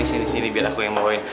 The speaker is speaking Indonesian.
eh sini sini biar aku yang bawain